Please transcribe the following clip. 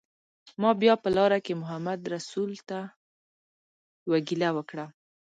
ما بیا په لاره کې محمدرسول ته یوه ګیله وکړه.